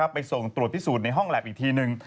ไปส่งตรวจที่ศูนย์ในห้องแหลบอีกทีหนึ่ง